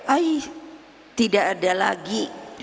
ai tidak ada lagi